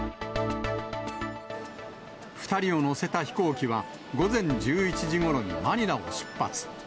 ２人を乗せた飛行機は、午前１１時ごろにマニラを出発。